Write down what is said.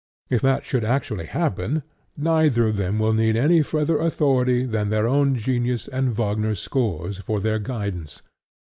If that should actually happen, neither of them will need any further authority than their own genius and Wagner's scores for their guidance.